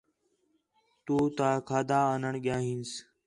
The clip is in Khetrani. تُو تاں کھادا آݨ ڳِیا ہینس